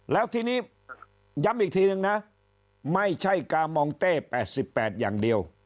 แล้วทีนี้ย้ำอีกทีนึงนะไม่ใช่กามองเต้๘๘อย่างเดียว